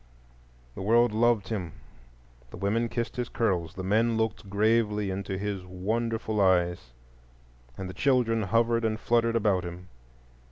The world loved him; the women kissed his curls, the men looked gravely into his wonderful eyes, and the children hovered and fluttered about him.